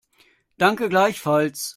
Danke, gleichfalls.